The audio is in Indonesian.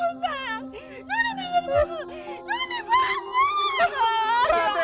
udah panggil mobil apa aja